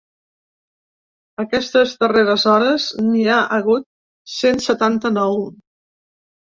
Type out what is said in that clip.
Aquestes darreres hores n’hi ha hagut cent setanta-nou.